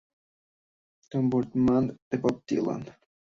Tambourine Man" de Bob Dylan.